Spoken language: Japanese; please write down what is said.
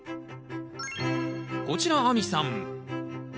こちら亜美さん。